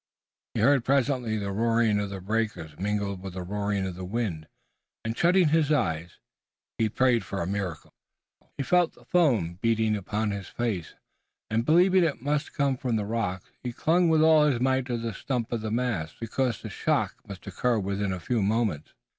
He heard presently the roaring of the breakers mingled with the roaring of the wind, and, shutting his eyes, he prayed for a miracle. He felt the foam beating upon his face, and believing it must come from the rocks, he clung with all his might to the stump of the mast, because the shock must occur within a few moments.